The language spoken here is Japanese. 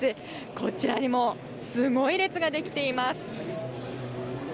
こちらにもすごい列ができています。